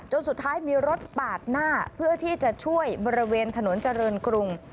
สุดท้ายมีรถปาดหน้าเพื่อที่จะช่วยบริเวณถนนเจริญกรุง